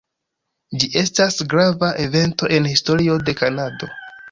Ĝi estas grava evento en historio de Kanado.